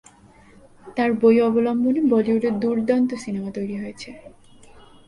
তার বই অবলম্বনে বলিউডে দুর্দান্ত সিনেমা তৈরি হয়েছে।